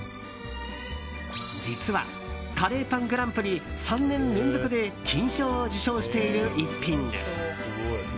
実は、カレーパングランプリ３年連続で金賞を受賞している逸品です。